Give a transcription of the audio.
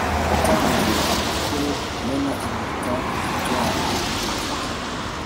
Gutanyagura impapuro kumena impeta atwain